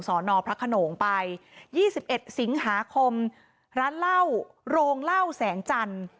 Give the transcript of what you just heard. สอนอพระขนงไปยี่สิบเอ็ดสิงหาคมร้านเล่าโรงเล่าแสงจันทร์